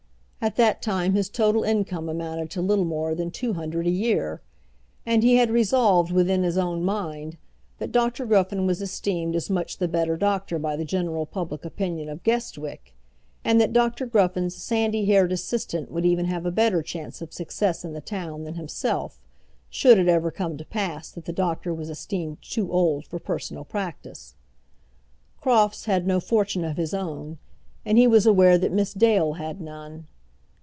At that time his total income amounted to little more than two hundred a year, and he had resolved within his own mind that Dr. Gruffen was esteemed as much the better doctor by the general public opinion of Guestwick, and that Dr. Gruffen's sandy haired assistant would even have a better chance of success in the town than himself, should it ever come to pass that the doctor was esteemed too old for personal practice. Crofts had no fortune of his own, and he was aware that Miss Dale had none.